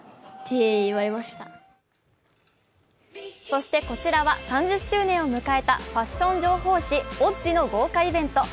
そしてこちらは３０周年を迎えたファッション情報誌「Ｏｇｇｉ」の豪華イベント。